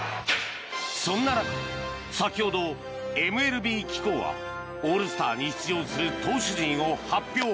そんな中、先ほどＭＬＢ機構はオールスターに出場する投手陣を発表。